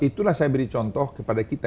itulah saya beri contoh kepada kita